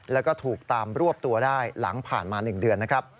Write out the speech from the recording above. แล้วก็ถูกตามรวบตัวได้หลังผ่านมา๑เดือนนะครับ